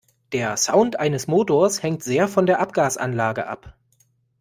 Der Sound eines Motors hängt sehr von der Abgasanlage ab.